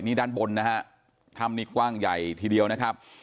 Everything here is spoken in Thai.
นี่ด้านบนนะฮะถ้ำนี้กว้างใหญ่ทีเดียวนะครับ